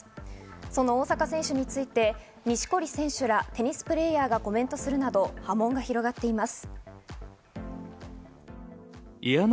その大坂選手について錦織選手らテニスプレーヤーがコメントするなど波紋が広がっています。